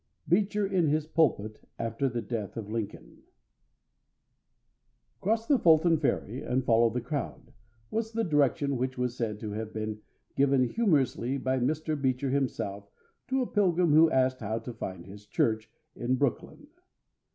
BEECHER IN HIS PULPIT AFTER THE DEATH OF LINCOLN "Cross the Fulton Ferry and follow the crowd" was the direction which was said to have been given humorously by Mr. Beecher himself to a pilgrim who asked how to find his church in Brooklyn.